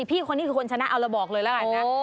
พี่คนนี้คือคนชนะเอาเราบอกเลยแล้วกันนะ